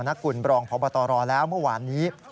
รองผู้บัญชาการตำรวจแห่งชาติแล้วเมื่อวานนี้